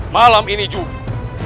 malam ini jum'at